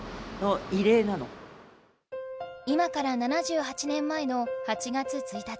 今から７８年前の８月１日。